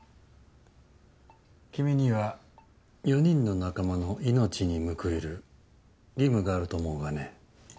君には４人の仲間の命に報いる義務がある４人？